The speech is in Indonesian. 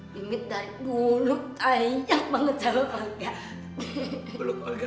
mimin dari dulu sayang banget sama olga